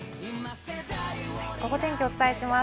ゴゴ天気をお伝えします。